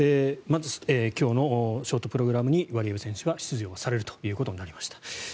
まず今日のショートプログラムにワリエワ選手は出場されるということになりました。